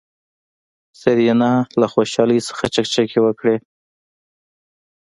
سېرېنا له خوشحالۍ نه چکچکې وکړې.